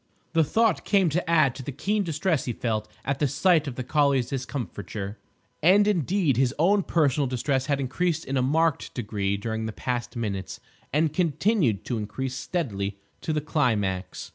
The thought came to add to the keen distress he felt at the sight of the collie's discomfiture. And, indeed, his own personal distress had increased in a marked degree during the past minutes, and continued to increase steadily to the climax.